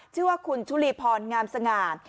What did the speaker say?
ชื่อว่าคุณชุลีพรงามสง่า